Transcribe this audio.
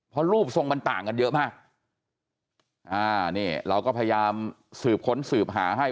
เพราะรูปทรงมันต่างกันเยอะมากอ่านี่เราก็พยายามสืบค้นสืบหาให้